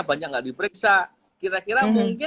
banyak yang tidak diperiksa kira kira mungkin